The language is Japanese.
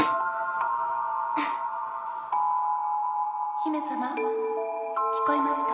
姫様聞こえますか？